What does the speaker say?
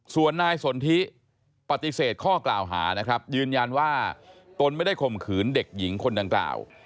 ส่วนนายสนทิปฏิเสธข้อกล่าวหานะครับยืนยันว่าตนไม่ได้ข่มขืนเด็กหญิงคนดังกล่าว